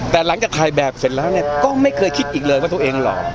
แต่หลังจากถ่ายแบบเสร็จแล้วเนี่ยก็ไม่เคยคิดอีกเลยว่าตัวเองหล่อ